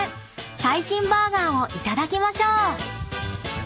［最新バーガーをいただきましょう］